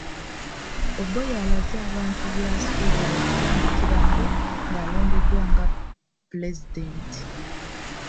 Oboi alaze abantu by'asuubira okutandikirako ng'alondeddwa nga pulezidenti.